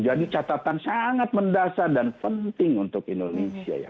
jadi catatan sangat mendasar dan penting untuk indonesia ya